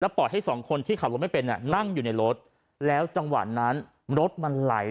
ปล่อยให้สองคนที่ขับรถไม่เป็นนั่งอยู่ในรถแล้วจังหวะนั้นรถมันไหล